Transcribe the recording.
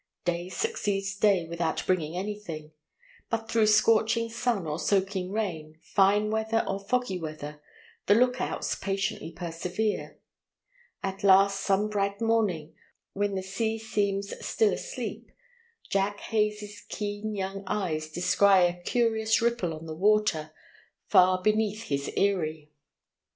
Day succeeds day without bringing anything: but through scorching sun or soaking rain, fine weather or foggy weather, the look outs patiently persevere. At last some bright morning, when the sea seems still asleep, Jack Hays' keen young eyes descry a curious ripple on the water far beneath his eyrie.